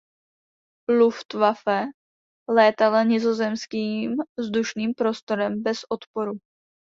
Luftwaffe létala nizozemským vzdušným prostorem bez odporu.